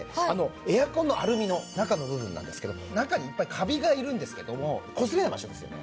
エアコンのアルミの中の部分なんですけど中にいっぱいカビがいるんですけどもこすれない場所ですよね？